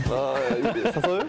誘う？